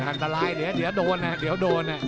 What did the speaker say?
หันตรายเดี๋ยวโดน